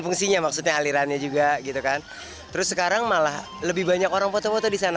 fungsinya maksudnya alirannya juga gitu kan terus sekarang malah lebih banyak orang foto foto di sana